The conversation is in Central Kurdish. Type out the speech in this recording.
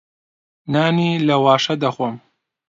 نانی لەواشە دەخۆم.